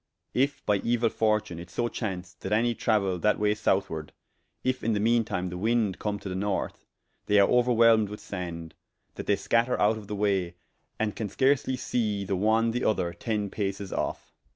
If by euil fortune it so chaunce that any trauaile that way southward, if in the mean time the wind come to the north, they are ouerwhelmed with sande, that they scatter out of the way, and can scarsely see the one the other ten pases of.